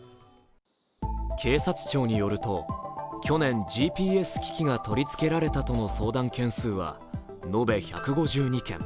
警察庁によると、去年、ＧＰＳ機器が取り付けられたとの相談件数は延べ１５２件。